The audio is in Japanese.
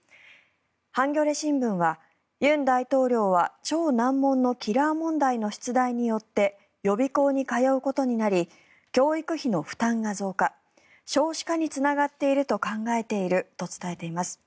ハンギョレ新聞は尹大統領は超難問のキラー問題の出題によって予備校に通うことになり教育費の負担が増加少子化につながっていると考えていると伝えています。